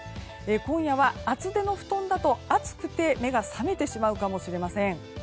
今夜は厚手の布団だと暑くて目が覚めてしまうかもしれません。